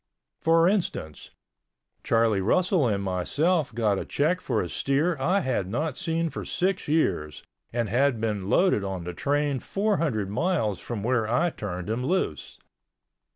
For instance, Charlie Russell and myself got a check for a steer I had not seen for six years and had been loaded on the train four hundred miles from where I turned him loose.